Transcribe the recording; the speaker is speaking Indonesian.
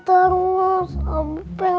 saya mau jawab empat buah ma respected